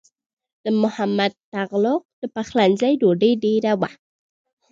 د محمد تغلق د پخلنځي ډوډۍ ډېره وه.